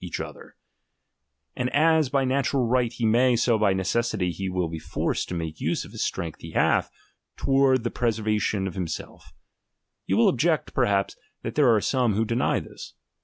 XV 6ach other ; and as by natural right he may, so by necessity he will be forced to make use of the itrength he hath, toward the preservation of him You will object perhaps, that there are some rho deny this.